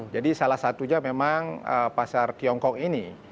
jadi salah satunya memang pasar tiongkok ini